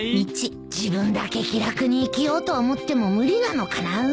自分だけ気楽に生きようと思っても無理なのかな